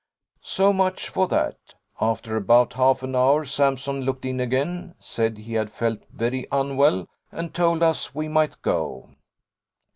'So much for that. After about half an hour Sampson looked in again: said he had felt very unwell, and told us we might go.